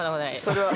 それは。